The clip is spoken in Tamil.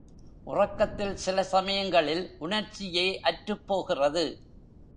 உறக்கத்தில் சில சமயங்களில் உணர்ச்சியே அற்றுப்போகிறது.